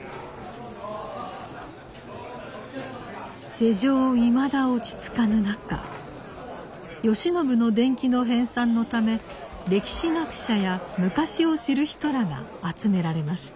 世情いまだ落ち着かぬ中慶喜の伝記の編纂のため歴史学者や昔を知る人らが集められました。